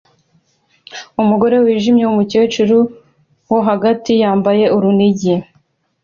Umugore wijimye wumukecuru wo hagati wambaye urunigi